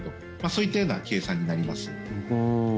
そういったような計算になります。